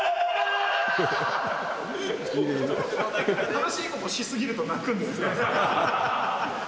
楽しいことし過ぎると泣くんですね。